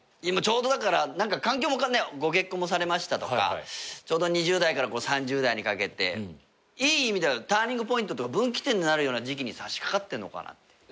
今ちょうどだから環境もご結婚もされましたとかちょうど２０代から３０代にかけていい意味ではターニングポイント分岐点になるような時期に差し掛かってんのかなって。